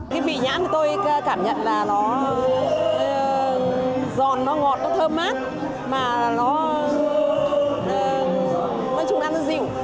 cái bì nhãn thì tôi cảm nhận là nó giòn nó ngọt nó thơm mát mà nó chung ăn nó dịu